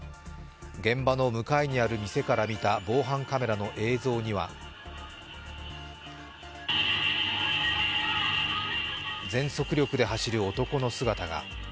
現場の向かいにある店から見た防犯カメラの映像には全速力で走る男の姿が。